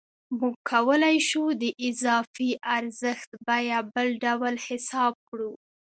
موږ کولای شو د اضافي ارزښت بیه بله ډول حساب کړو